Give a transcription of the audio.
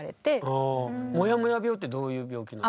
ああもやもや病ってどういう病気？